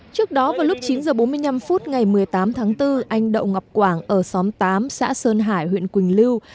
trước đó vào lúc chín h bốn mươi năm phút ngày một mươi tám tháng bốn anh đậu ngọc quảng ở xóm tám xã sơn hải huyện quỳnh lưu